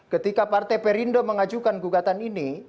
ketika partai perindo mengajukan gugatan ini